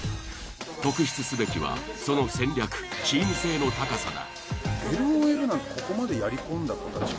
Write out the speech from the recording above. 特筆すべきはその戦略チーム性の高さだ。